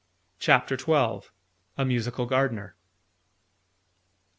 CHAPTER 12. A MUSICAL GARDENER.